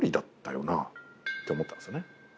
思ったんですよね。